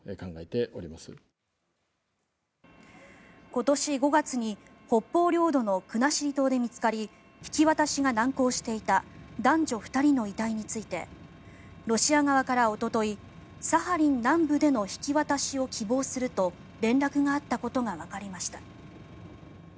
今年５月に北方領土の国後島で見つかり引き渡しが難航していた男女２人の遺体についてロシア側からおとといサハリン南部での引き渡しを希望すると連絡があったことがわかりました。